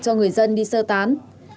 cho người dân đi sơ tán